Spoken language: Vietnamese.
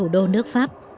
đô nước pháp